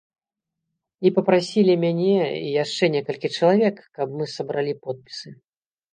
І папрасілі мяне і яшчэ некалькі чалавек, каб мы сабралі подпісы.